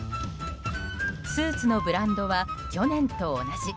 スーツのブランドは去年と同じ。